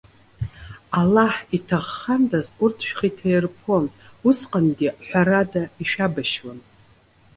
Аллаҳ иҭаххандаз урҭ шәхы иҭаирԥон, усҟангьы ҳәарада ишәабашьуан.